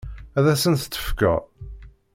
Ad asent-t-tefkeḍ?